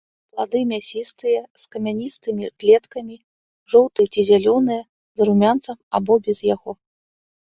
Плады мясістыя, з камяністымі клеткамі, жоўтыя ці зялёныя, з румянцам або без яго.